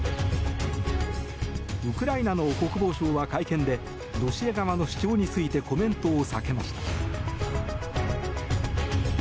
ウクライナの国防省は会見でロシア側の主張についてコメントを避けました。